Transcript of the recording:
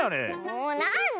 もうなんだ。